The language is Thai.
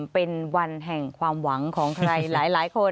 เป็นวันแห่งความหวังของใครหลายคน